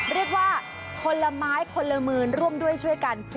เรียกว่าคนละไม้คนละมือร่วมด้วยช่วยกัน